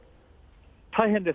大変です。